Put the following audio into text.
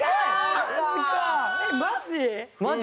えっマジ！？